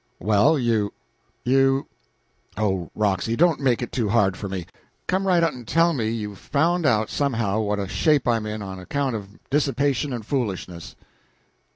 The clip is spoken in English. "Well, you you oh, Roxy, don't make it too hard for me! Come right out and tell me you've found out somehow what a shape I'm in on account of dissipation and foolishness."